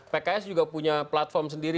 pks juga punya platform sendiri